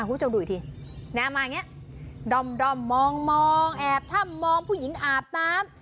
คุณผู้ชมดูอีกทีมาอย่างนี้ด้อมมองแอบถ้ำมองผู้หญิงอาบน้ำ